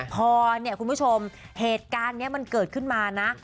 พอเนี่ยคุณผู้ชมเหตุการณ์นี้มันเกิดขึ้นมานะ